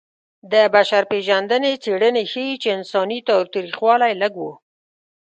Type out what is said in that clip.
د بشر پېژندنې څېړنې ښيي چې انساني تاوتریخوالی لږ و.